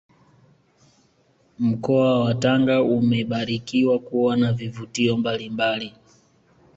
Mkoa wa Tanga umebarikiwa kuwa na vivutio mbalimbali